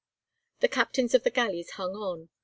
The captains of the galleys hung on.